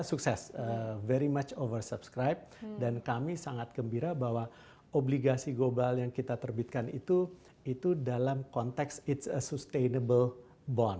sukses very much over subscribed dan kami sangat gembira bahwa obligasi global yang kita terbitkan itu dalam konteks it's a sustainable bond